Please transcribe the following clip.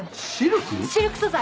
シルク素材！